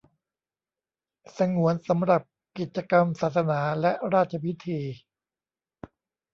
สงวนสำหรับกิจกรรมศาสนาและราชพิธี